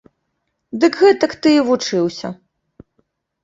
Дык гэтак ты і вучыўся.